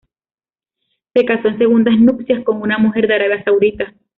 Se casó en segundas nupcias con una mujer de Arabia Saudita.